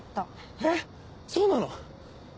えっ⁉そうなの？